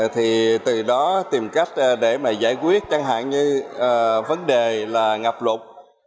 thì từ đó tìm cách để mà giải quyết chẳng hạn như vấn đề là ngập lụt